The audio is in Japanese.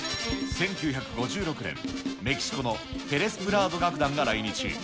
１９５６年、メキシコのペレス・プラード楽団が来日。